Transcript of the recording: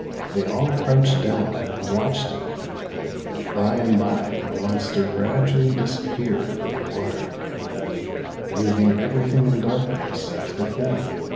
They all crouched down and watched it; and by and by the monster gradually disappeared in the water again, leaving everything in darkness as before.